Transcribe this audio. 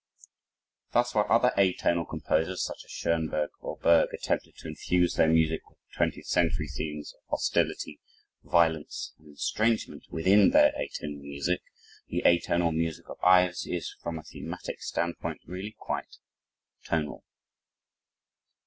Thus, while other atonal composers such as Schoenberg or Berg attempted to infuse their music with "20th century" themes of hostility, violence and estrangement within their atonal music, the atonal music of Ives is, from a thematic standpoint, really quite "tonal."